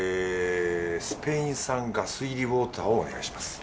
スペイン産ガス入りウォーターをお願いします。